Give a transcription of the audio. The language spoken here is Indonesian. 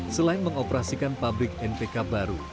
selain mengoperasikan pabrik npk baru